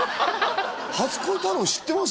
初恋タロー知ってます？